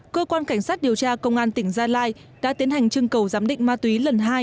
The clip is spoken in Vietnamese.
cơ quan cảnh sát điều tra công an tỉnh gia lai đã tiến hành trưng cầu giám định ma túy lần hai